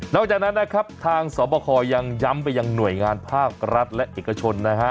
จากนั้นนะครับทางสอบคอยังย้ำไปยังหน่วยงานภาครัฐและเอกชนนะฮะ